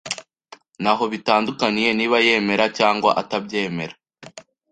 Ntaho bitandukaniye niba yemera cyangwa atabyemera.